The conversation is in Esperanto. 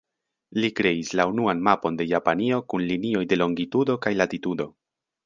Li kreis la unuan mapon de Japanio kun linioj de longitudo kaj latitudo.